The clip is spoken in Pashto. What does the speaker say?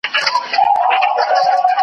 نو زه د هغوی د نومونو له ذکرولو څخه ډډه کوم .